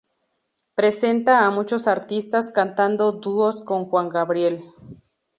Presenta a muchos artistas cantando dúos con Juan Gabriel.